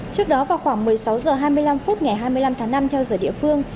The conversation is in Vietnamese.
trước đó vào khoảng một mươi sáu h hai mươi năm phút ngày hai mươi năm tháng năm theo giờ địa phương